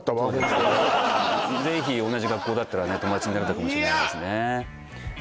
ぜひ同じ学校だったら友達になれたかもしれないですねいや！